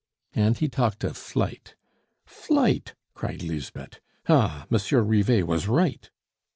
And he talked of flight. "Flight!" cried Lisbeth. "Ah, Monsieur Rivet was right."